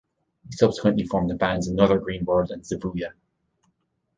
He subsequently formed the bands Another Green World and Zuvuya.